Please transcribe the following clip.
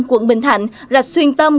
quận bình thạnh rạch xuyên tâm